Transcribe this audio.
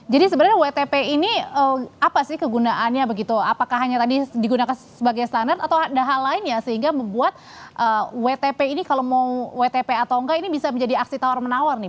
jadi sebenarnya wtp ini apa sih kegunaannya begitu apakah hanya tadi digunakan sebagai standar atau ada hal lainnya sehingga membuat wtp ini kalau mau wtp atau enggak ini bisa menjadi aksi tawar menawar nih